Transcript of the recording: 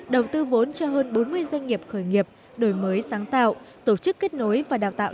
đầu tư vốn cho hơn bốn mươi doanh nghiệp khởi nghiệp đổi mới sáng tạo tổ chức kết nối và đào tạo